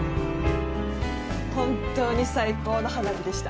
本当に最高の花火でした。